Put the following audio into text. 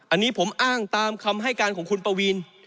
อันนี้ผมอ้างตามคำให้การของคุณปวีน